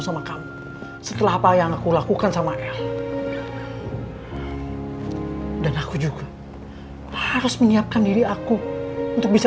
sama kamu setelah apa yang aku lakukan sama l dan aku juga harus menyiapkan diri aku untuk bisa